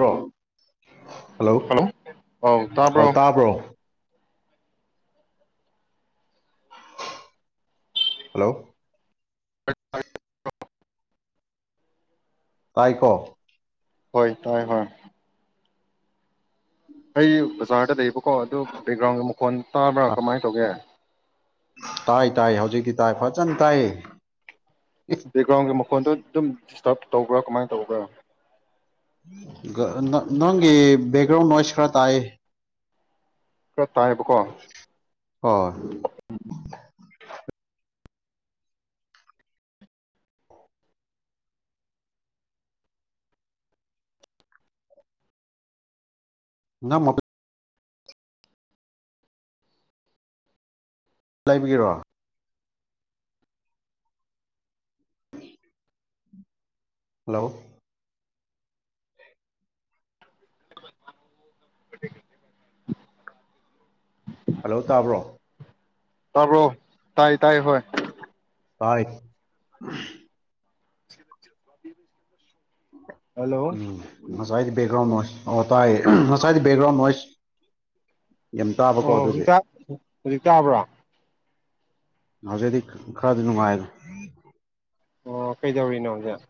ꯍꯣ ꯍꯜꯂꯣ ꯑꯧ ꯑꯣ ꯇꯥꯕ꯭ꯔꯣ ꯇꯥꯔꯕ꯭ꯔꯣ ꯍꯂꯣ [inaudible] ꯇꯥꯏꯀꯣ ꯍꯣꯏ ꯇꯥꯏ ꯍꯣꯏ ꯑꯩꯩ ꯕꯖꯥꯔꯗ ꯂꯩꯕꯀꯣ ꯑꯗꯨ ꯕꯦꯛꯒ꯭ꯔꯥꯎꯟꯒꯤ ꯃꯈꯣꯟ ꯇꯥꯕ꯭ꯔꯥ ꯀꯃꯥꯏꯅ ꯇꯧꯒꯦ ꯇꯥꯏ ꯇꯥꯏ ꯍꯧꯖꯤꯛꯇꯤ ꯇꯥꯏ ꯐꯖꯅ ꯇꯥꯏ ꯗ꯭ꯔꯦ ꯐꯣꯟꯗꯣ ꯑꯗꯨꯝ ꯗꯤꯁꯇꯔꯕ ꯇꯧꯕ꯭ꯔꯥ ꯀꯃꯥꯏꯅ ꯇꯧꯕ꯭ꯔꯥ ꯅꯪꯒꯤ ꯕꯦꯛꯒ꯭ꯔꯥꯎꯟ ꯅꯣꯌꯁ ꯈꯔ ꯇꯥꯥꯏꯌꯦ ꯀ ꯇꯥꯏꯕꯀꯣ ꯍꯣꯏ ꯎꯝ ꯅ ꯃꯣ ꯂꯩꯕꯤꯒꯤꯔꯣ ꯍꯜꯂꯣ [unintelligible] ꯍꯜꯂꯣ ꯇꯥꯕ꯭ꯔꯣ ꯇꯔꯣ ꯇꯥꯏ ꯇꯥꯏ ꯍꯣꯏ ꯇꯥꯏ ꯍꯜꯂꯣ ꯑꯣ ꯎꯝ ꯖꯣꯏꯠ ꯕꯦꯒꯔ꯭ꯥꯎꯟ ꯇꯥꯏ ꯉꯁꯥꯏꯗꯤ ꯕꯌꯦꯛꯒ꯭ꯔꯥꯎꯟ ꯅꯣꯏꯁ [unintelligible] ꯑꯣ ꯑꯗꯨꯒꯤ ꯁꯤꯖꯤꯇ ꯍꯧꯖꯤꯛ ꯇꯥꯕ꯭ꯔꯥ ꯅꯖꯦꯗꯤ ꯈꯔꯗ ꯅꯃꯥꯏꯖ ꯑꯣ ꯀꯩꯗꯧꯔꯤꯅꯣ ꯍꯧꯖꯤꯛ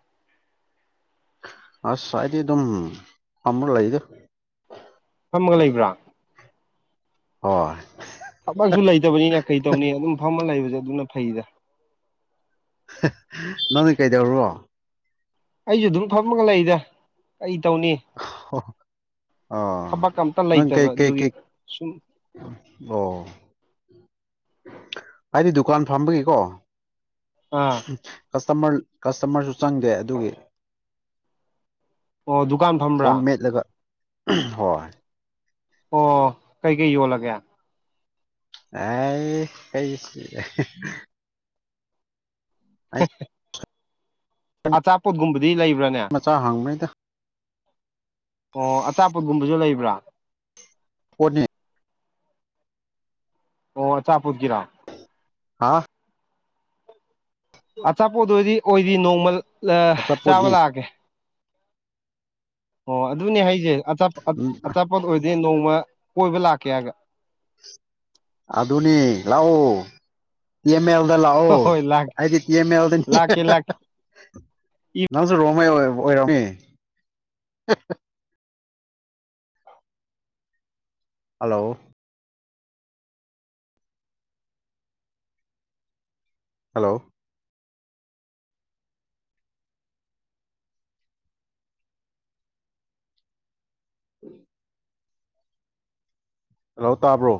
ꯑꯁꯗꯤ ꯑꯗꯨꯝ ꯑꯝꯕꯔ ꯂꯩꯗ ꯒ ꯂꯩꯕ꯭ꯔꯥ ꯍꯣꯏ ꯊꯕꯛꯁꯨ ꯂꯩ ꯇꯕꯅꯤꯅ ꯀꯩ ꯇꯧꯅꯤ ꯑꯗꯨꯝ ꯐꯝꯃ ꯂꯩꯕ ꯑꯗꯨꯅ ꯐꯩꯗ ꯅꯪꯅꯦ ꯀꯩꯗꯧꯔꯣ ꯑꯩꯁꯨ ꯑꯗꯨꯝ ꯐꯝꯃꯒ ꯂꯩꯗ ꯇꯧꯅꯤ ꯑꯣ ꯊꯕꯛ ꯑꯝꯇ ꯅꯪ ꯀꯩ ꯂꯩꯇꯕ ꯀꯩ ꯑꯗꯨꯒꯤ ꯀꯩ ꯁꯨꯝ ꯑꯣ ꯑꯩꯗꯤ ꯗꯨꯀꯥꯟ ꯐꯝꯕꯒꯤꯀꯣ ꯑꯥ ꯀ ꯇ ꯀꯁꯇꯃꯔꯁꯨ ꯆꯪꯗꯦ ꯑꯗꯨꯒꯤ ꯑꯣ ꯗꯨꯀꯥꯟ ꯊꯝꯕ꯭ꯔꯥ ꯐꯣꯟ ꯃꯦꯠꯂꯒ ꯍꯣꯏ ꯑꯣ ꯀꯩꯀꯩ ꯌꯣꯜꯂꯒꯦ ꯑ ꯀꯁꯤ [unintelligible] ꯑ ꯆꯆꯥꯥꯄꯣꯠꯒꯨꯝ ꯃꯆꯥ ꯍꯥꯡꯕꯩꯗ ꯑꯣ ꯑꯆꯥꯄꯣꯠꯒꯨꯝꯕꯁꯨ ꯂꯩꯕ꯭ꯔꯥ ꯍꯣꯅꯤ ꯑꯣ ꯑꯆꯥꯄꯠꯀꯤꯔꯥ ꯍꯥꯥ ꯑꯆꯥꯄꯣꯠꯗ ꯑꯣꯏꯗꯤ ꯑꯣꯏꯗꯤ ꯅꯣꯡꯃꯜ ꯑ ꯆꯥꯕ ꯑꯆꯥꯄꯣꯠꯅꯤ ꯂꯒꯦ ꯑꯣ ꯑꯗꯨꯅꯦ ꯍꯥꯏꯁꯦ ꯆꯥ ꯎꯝ ꯑꯆꯥꯄꯣꯠ ꯑꯣꯏꯔꯗꯤ ꯅꯣꯡꯃ ꯀꯣꯏꯕ ꯂꯥꯛꯀꯦ ꯍꯥꯏꯒ ꯑ ꯗꯨꯅꯤ ꯂꯑꯣ ꯇꯤ ꯑꯦꯝ ꯑꯦꯜꯗ ꯍꯣꯏ ꯂꯥꯛꯑꯣ ꯍꯣꯏ ꯂꯥꯛꯀꯦ ꯑꯩꯗꯤ ꯇꯤ ꯑꯦꯝ ꯑꯦꯜꯗꯅꯤ ꯂꯥꯛꯀꯦ ꯂꯥꯛꯀꯦ ꯅꯪꯁꯨ ꯔꯣꯃꯩ ꯑꯣꯏ ꯑꯣꯏꯔꯣꯡꯅꯤ꯫ ꯍꯜꯂꯣ꯫ ꯍꯜꯂꯣ꯫ [unintelligible] ꯍꯜꯂꯣ ꯇꯥꯕ꯭ꯔꯣ꯫